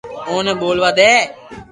اوني ٻولوا دي